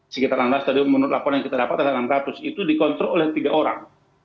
sekitar enam belas tadi menurut laporan yang kita dapat ada enam ratus itu dikontrol oleh tiga orang